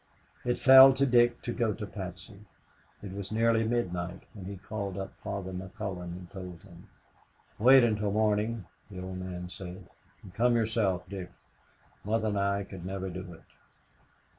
It fell to Dick to go to Patsy. It was nearly midnight when he called up Father McCullon and told him. "Wait until morning," the old man said, "and come yourself, Dick. Mother and I could never do it."